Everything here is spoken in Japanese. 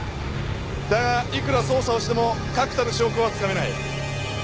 だがいくら捜査をしても確たる証拠はつかめない。